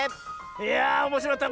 いやあおもしろかった。